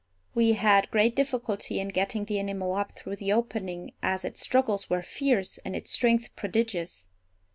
We had great difficulty in getting the animal up through the opening, as its struggles were fierce and its strength prodigious.